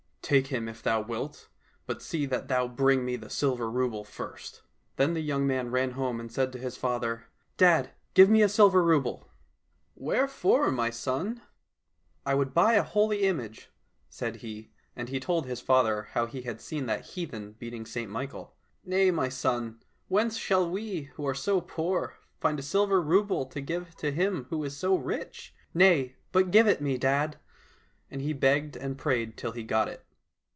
—" Take him if thou wilt, but see that thou bring me the silver rouble first." Then the young man ran home and said to his father, " Dad, give me a silver rouble !"—'' Wherefore, my 84 THE VAMPIRE AND ST MICHAEL son ?"—" I would buy a holy image," said he, and he told his father how he had seen that heathen beating St Michael. —" Nay, my son, whence shall we who are poor find a silver rouble to give to him who is so rich ?"—'' Nay, but give it me, dad !" and he begged and prayed till he got it.